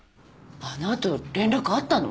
あの後連絡あったの？